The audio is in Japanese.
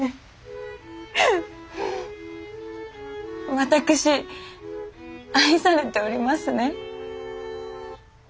私愛されておりますね。